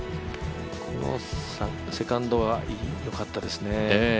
このセカンドは良かったですね。